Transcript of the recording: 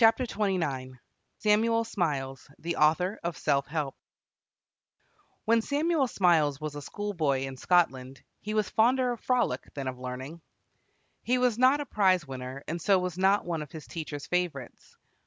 ELIZABETH ROSSER SAMUEL SMILES, THE AUTHOR OF "SELF HELP" When Samuel Smiles was a schoolboy in Scotland, he was fonder of frolic than of learning. He was not a prize winner, and so was not one of his teacher's favorites.